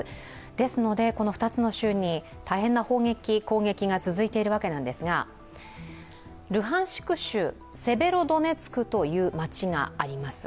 ですので、この２つの州に大変な砲撃、攻撃が続いているわけなんですが、ルハンシク州セベロドネツクという街があります。